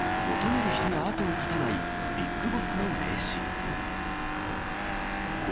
求める人が後を絶たない、ビッグボスの名刺。